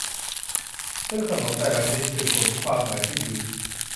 ซึ่งขนมแต่ละชนิดสื่อถึงความหมายที่ดี